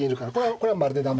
これはまるで駄目。